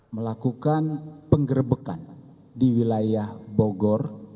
melakukan penggerbekan di wilayah bogor